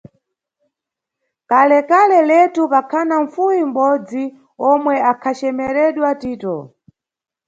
Kalekale letu pakhana mʼfuwi mʼbodzi omwe akhacemeredwa Tito.